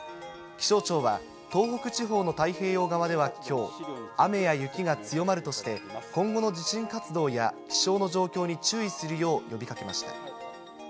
気象庁は東北地方の太平洋側ではきょう、雨や雪が強まるとして、今後の地震活動や、気象の状況に注意するよう呼びかけました。